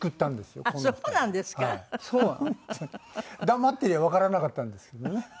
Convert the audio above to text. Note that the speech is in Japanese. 黙ってりゃわからなかったんですけどね。